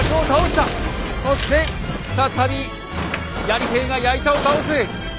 そして再びやり兵が矢板を倒す。